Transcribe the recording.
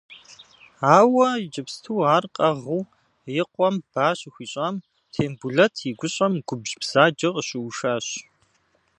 Ауэ иджыпсту ар къэгъыу и къуэм ба щыхуищӏам, Тембулэт и гущӏэм губжь бзаджэ къыщыушащ.